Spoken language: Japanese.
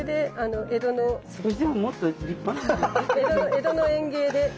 江戸の園芸で。